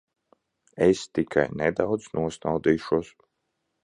Es tikai nedaudz nosnaudīšos.